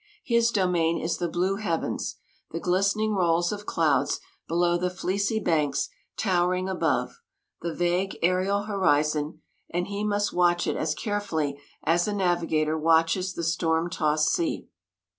His domain is the blue heavens, the glistening rolls of clouds below the fleecy banks towering above, the vague aërial horizon, and he must watch it as carefully as a navigator watches the storm tossed sea.